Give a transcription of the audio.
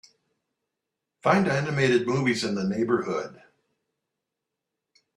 Find animated movies in the neighborhood.